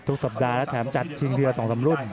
ทุกสัปดาห์แล้วแถมจัดทิ้งเทียร์๒๓รุ่น